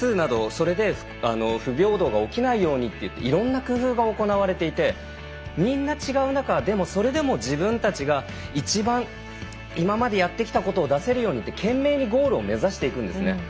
それで不平等が起きないようにっていろんな工夫が行われていてみんな違う中それでも自分たちがいちばん今までやってきたことを出せるようにって懸命にゴールを目指していくんですね。